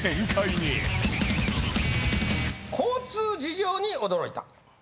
交通事情に驚いた。